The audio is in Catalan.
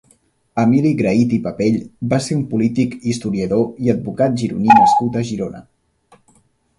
Emili Grahit i Papell va ser un polític, historiador i advocat gironí nascut a Girona.